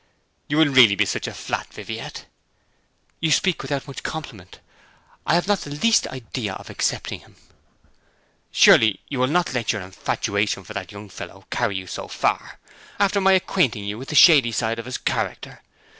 'You will really be such a flat, Viviette?' 'You speak without much compliment. I have not the least idea of accepting him.' 'Surely you will not let your infatuation for that young fellow carry you so far, after my acquainting you with the shady side of his character?